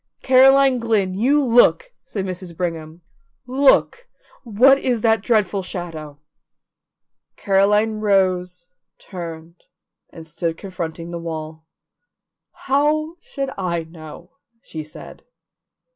"Caroline Glynn, you look!" said Mrs. Brigham. "Look! What is that dreadful shadow?" Caroline rose, turned, and stood confronting the wall. "How should I know?" she said.